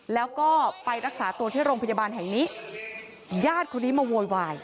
แล้วก็ไปรักษาตัวที่โรงพยาบาลแห่งนี้ญาติคนนี้มาโวยวาย